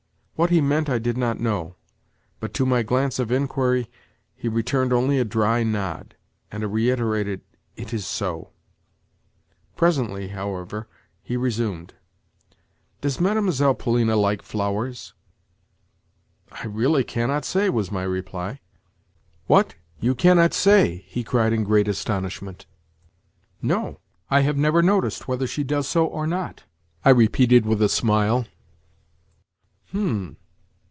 What he meant I did not know, but to my glance of inquiry he returned only a dry nod, and a reiterated "It is so." Presently, however, he resumed: "Does Mlle. Polina like flowers?" "I really cannot say," was my reply. "What? You cannot say?" he cried in great astonishment. "No; I have never noticed whether she does so or not," I repeated with a smile. "Hm!